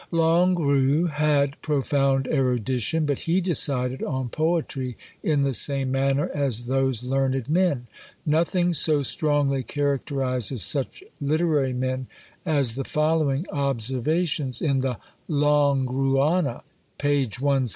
Longuerue had profound erudition; but he decided on poetry in the same manner as those learned men. Nothing so strongly characterises such literary men as the following observations in the Longueruana, p. 170.